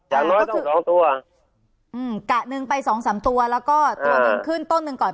อย่างน้อยต้องสองตัวอืมกะหนึ่งไปสองสามตัวแล้วก็ตัวหนึ่งขึ้นต้นหนึ่งก่อน